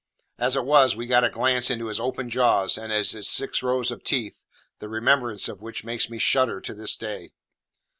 As it was, we got a glance into his open jaws, and at his six rows of teeth, the remembrance of which makes me shudder to this day.